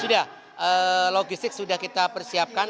sudah logistik sudah kita persiapkan